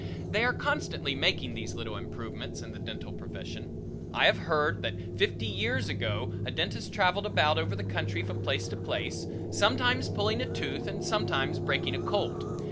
They are constantly making these little improvements in the dental profession. I have heard that fifty years ago a dentist traveled about over the country from place to place, sometimes pulling a tooth and sometimes breaking a colt.